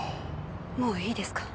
もういいですか？